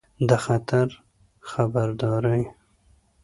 د خطر خبرداری